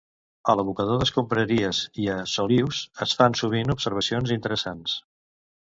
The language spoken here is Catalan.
A l'abocador d'escombraries i a Solius es fan, sovint, observacions interessants.